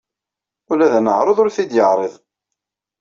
Ula d aneɛruḍ ur t-id-yeɛriḍ.